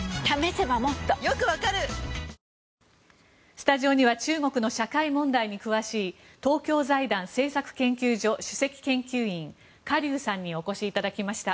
スタジオには中国の社会問題に詳しい東京財団政策研究所主席研究員カ・リュウさんにお越しいただきました。